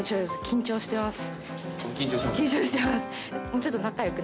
緊張してます。